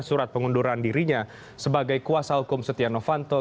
surat pengunduran dirinya sebagai kuasa hukum setia novanto